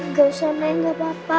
nggak usah nini nggak apa apa